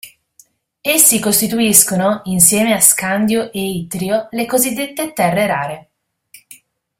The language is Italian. Essi costituiscono, insieme a scandio e ittrio, le cosiddette terre rare.